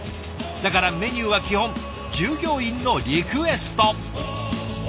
だからメニューは基本従業員のリクエスト。